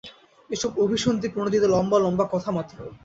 এ সব অভিসন্ধি-প্রণোদিত লম্বা লম্বা কথামাত্র।